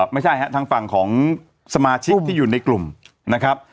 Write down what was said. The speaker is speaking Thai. ไม่ใช่ฮะทางฝั่งของสมาชิกที่อยู่ในกลุ่มนะครับ